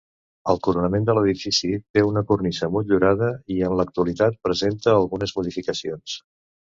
El coronament de l'edifici té una cornisa motllurada, i en l'actualitat presenta algunes modificacions.